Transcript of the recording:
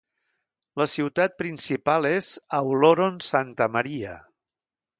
La ciutat principal és Auloron Santa Maria.